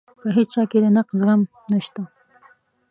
په هیچا کې د نقد زغم نشته.